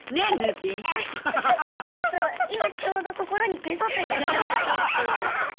あちょっと今ちょうど心にグサッときた。